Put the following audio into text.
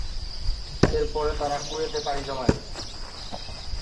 এরপরে তারা কুয়েতে পাড়ি জমায়।